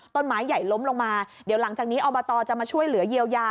ต้นไม้ใหญ่ล้มลงมาเดี๋ยวหลังจากนี้อบตจะมาช่วยเหลือเยียวยา